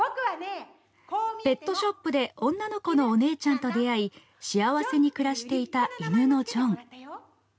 ペットショップで女の子のお姉ちゃんと出会い幸せに暮らしていた犬のジョン。